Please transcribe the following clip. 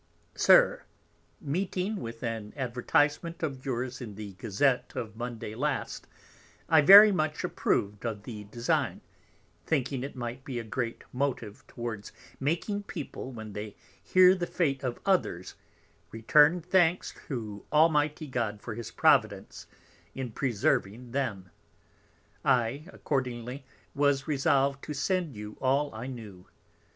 SIR, Meeting with an Advertisement of yours in the Gazette of Monday last, I very much approved of the Design, thinking it might be a great Motive towards making People, when they hear the Fate of others, return Thanks to Almighty God for his Providence in preserving them. I accordingly was resolved to send you all I knew.